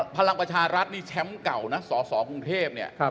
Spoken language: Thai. พลังประชารัฐนี้แชมป์เก่านะสบท